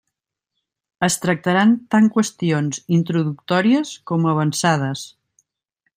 Es tractaran tant qüestions introductòries com avançades.